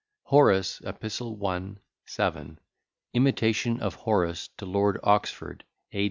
HORACE, EPIST. I, VII IMITATION OF HORACE TO LORD OXFORD, A.